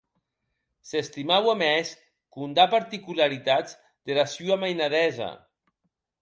S’estimaue mès condar particularitats dera sua mainadesa.